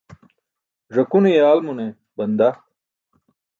Ẓakune yaalmune banda.